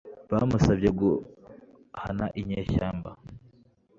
bamusabye guhana inyeshyamba